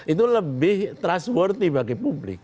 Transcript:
itu lebih trustworthy bagi publik